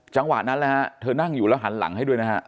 จังหวะนั้นนะฮะเธอนั่งอยู่แล้วหันหลังให้ด้วยนะฮะ